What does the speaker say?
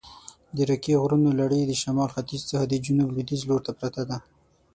د راکي غرونو لړي د شمال ختیځ څخه د جنوب لویدیځ لورته پرته ده.